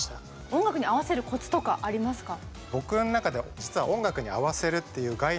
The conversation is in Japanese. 音楽に合わせるコツとかありますか？